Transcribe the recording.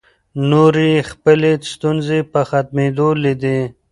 نورې یې خپلې ستونزې په ختمېدو لیدې.